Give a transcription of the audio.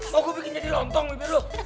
mau gue bikin jadi lontong bibir lo